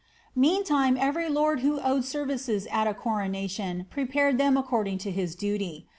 Meantime every lord who owed services at a coronation prepared tliem according to his duty.